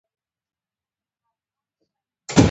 یو کس د یوې مادې په مقابل کې حساسیت ښیي.